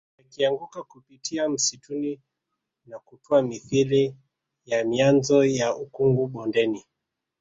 Yakianguka kupitia msituni na kutua mithili ya mianzo ya ukungu bondeni